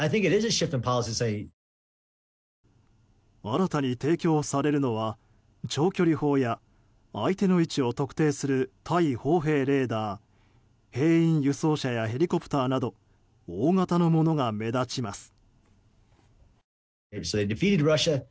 新たに提供されるのは長距離砲や相手の位置を特定する対砲兵レーダー兵員輸送車やヘリコプターなど大型のものが目立ちます。